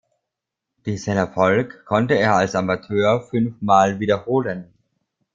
Diesen Erfolg konnte er als Amateur fünfmal wiederholen.